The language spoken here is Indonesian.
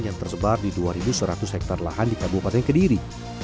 yang tersebar di dua seratus hektare lahan di kabupaten kediri